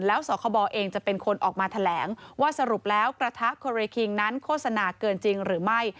แล้วสคบเองจะเป็นคนออกมาแถลงว่าสรุปแล้วกระทะโคเรคิงนั้นโฆษณาเกินจริงหรือไม่